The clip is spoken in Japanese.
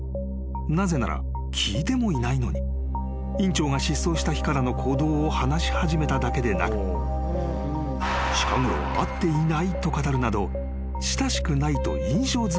［なぜなら聞いてもいないのに院長が失踪した日からの行動を話し始めただけでなく「近ごろは会っていない」と語るなど］